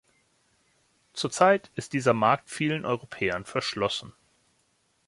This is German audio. Zurzeit ist dieser Markt vielen Europäern verschlossen.